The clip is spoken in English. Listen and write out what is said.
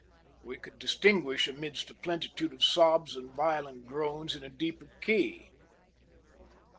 we could distinguish amidst a plentitude of sobs and violent groans in a deeper key.